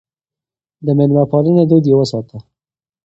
د مېلمه پالنې دود يې وساته.